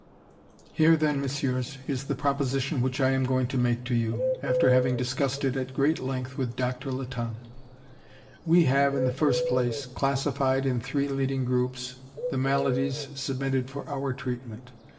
"Here, then, Messieurs, is the proposition which I am going to make to you, after having discussed it at great length with Doctor Latonne: "We have, in the first place, classified in three leading groups the maladies submitted for our treatment.